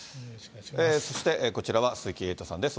そして、こちらは鈴木エイトさんです。